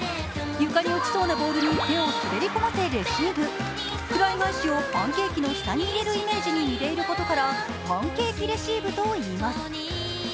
床に落ちそうなボールに手を滑り込ませレシーブフライ返しをパンケーキの下に入れるイメージに似ていることからパンケーキレシーブといいます。